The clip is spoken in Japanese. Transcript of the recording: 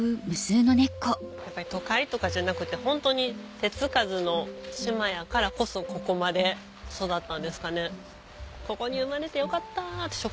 やっぱり都会とかじゃなくてホントに手付かずの島やからこそここまで育ったんですかね？